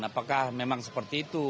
apakah memang seperti itu